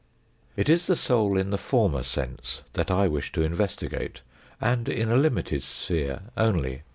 It is the soul in the former sense that I wish to investigate, and in a limited sphere only.